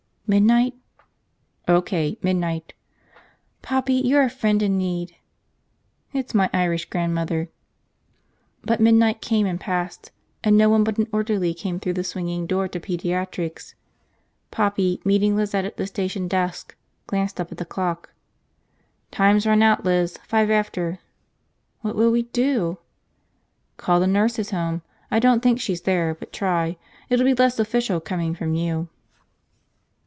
"Midnight?" "O.K., midnight." "Poppy, you're a friend in need!" "It's my Irish grandmother." But midnight came and passed, and no one but an orderly came through the swinging door to pediatrics. Poppy, meeting Lizette at the station desk, glanced up at the clock. "Time's run out, Liz. Five after." "What will we do?" "Call the nurses' home. I don't think she's there, but try, It'll be less official, coming from you."